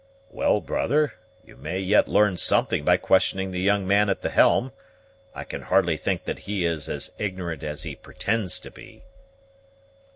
"Well, brother, you may yet learn something by questioning the young man at the helm; I can hardly think that he is as ignorant as he pretends to be."